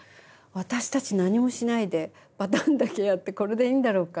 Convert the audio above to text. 私たち何もしないでパターンだけやってこれでいいんだろうか。